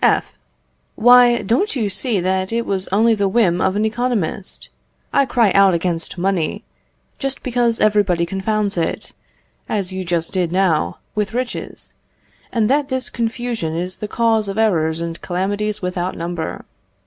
F. Why, don't you see that it was only the whim of an economist? I cry out against money, just because everybody confounds it, as you did just now, with riches, and that this confusion is the cause of errors and calamities without number.